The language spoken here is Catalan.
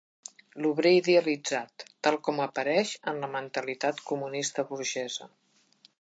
L’obrer idealitzat, tal com apareix en la mentalitat comunista burgesa